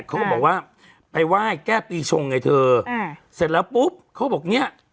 เขาก็บอกว่าไปไหว้แก้ปีชงไงเธออ่าเสร็จแล้วปุ๊บเขาบอกเนี้ย